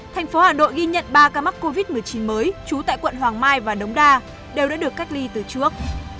thành phố hà nội ghi nhận ba ca mắc covid một mươi chín mới trú tại quận hoàng mai và đống đa đều đã được cách ly từ trước